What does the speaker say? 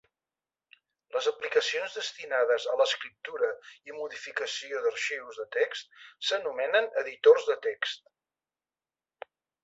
Les aplicacions destinades a l'escriptura i modificació d'arxius de text s’anomenen editors de text.